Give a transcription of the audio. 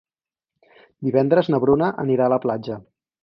Divendres na Bruna anirà a la platja.